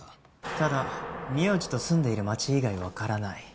ただ名字と住んでいる街以外わからない。